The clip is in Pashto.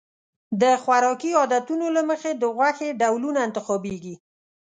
د خوراکي عادتونو له مخې د غوښې ډولونه انتخابېږي.